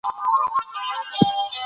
تاله کوم ځایه راوړي دا کیسې دي